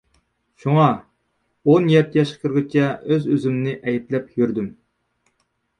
شۇڭا، ئون يەتتە ياشقا كىرگۈچە ئۆز-ئۆزۈمنى ئەيىبلەپ يۈردۈم.